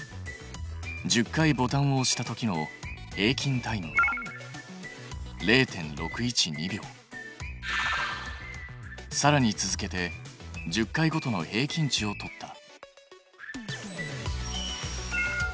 １０回ボタンを押したときの平均タイムはさらに続けて１０回ごとの平均値を取った。